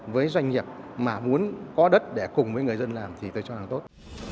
với doanh nghiệp mà muốn có đất để cùng với người dân làm thì tôi cho rằng tốt